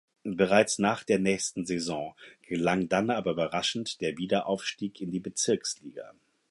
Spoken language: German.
Bereits nach der nächsten Saison gelang dann aber überraschend der Wiederaufstieg in die Bezirksliga.